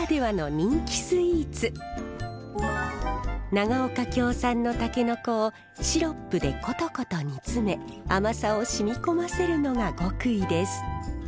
長岡京産のタケノコをシロップでコトコト煮詰め甘さを染み込ませるのが極意です。